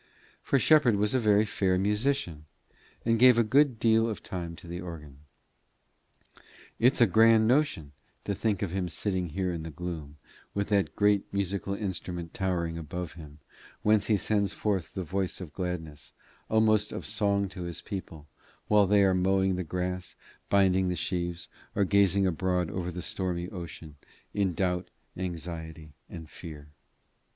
For Shepherd was a very fair musician, and gave a good deal of time to the organ. "It's a grand notion, to think of him sitting here in the gloom, with that great musical instrument towering above him, whence he sends forth the voice of gladness, almost of song to his people, while they are mowing the grass, binding the sheaves, or gazing abroad over the stormy ocean in doubt, anxiety, and fear.